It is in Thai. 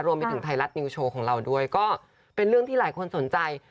รวมไปถึงไทยรัฐนิวโชว์ของเราด้วยก็เป็นเรื่องที่หลายคนสนใจ